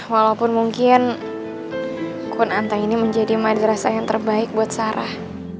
walaupun mungkin kunanta ini menjadi madrasah yang terbaik buat sarah